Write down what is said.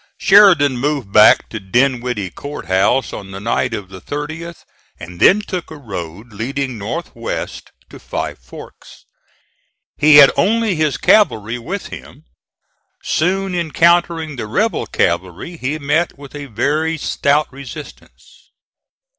Sheridan moved back to Dinwiddie Court House on the night of the 30th, and then took a road leading north west to Five Forks. He had only his cavalry with him. Soon encountering the rebel cavalry he met with a very stout resistance.